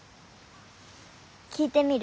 聞いてみる？